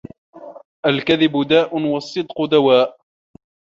الكذب داء والصدق دواء